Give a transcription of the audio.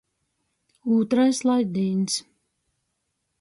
Ūtrais laidīņs.